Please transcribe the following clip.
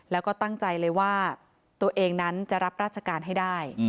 แล้วก็ตั้งใจเลยว่าตัวเองนั้นจะรับราชการให้ได้